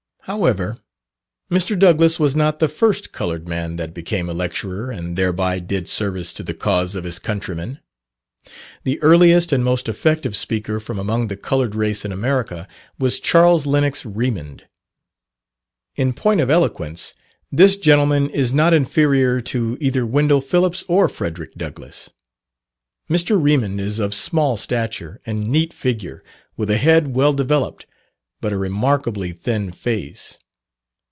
However, Mr. Douglass was not the first coloured man that became a lecturer, and thereby did service to the cause of his countrymen. The earliest and most effective speaker from among the coloured race in America, was Charles Lennox Remond. In point of eloquence, this gentleman is not inferior to either Wendell Phillips or Frederick Douglass. Mr. Remond is of small stature, and neat figure, with a head well developed, but a remarkably thin face.